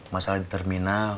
masalah di terminal